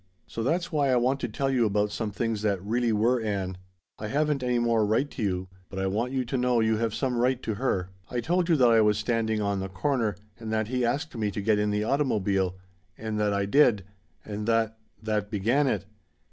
"So that's why I want to tell you about some things that really were Ann. I haven't any more right to you, but I want you to know you have some right to her. "I told you that I was standing on the corner, and that he asked me to get in the automobile, and that I did, and that that began it.